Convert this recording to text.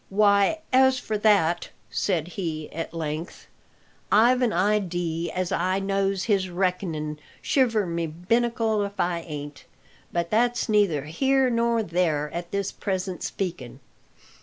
"Why, as for that," said he at length, "I've an idee as I knows his reckonin', shiver my binnacle if I ain't! But that's neither here nor there at this present speakin'.